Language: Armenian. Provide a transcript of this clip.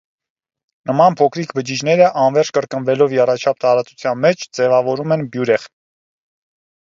Նման փոքրիկ բջիջները, անվերջ կրկնվելով եռաչափ տարածության մեջ, ձևավորում են բյուրեղ։